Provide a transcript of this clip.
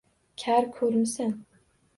Kar ko’rmisan